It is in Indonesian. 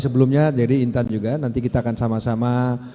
sebelumnya jadi intan juga nanti kita akan sama sama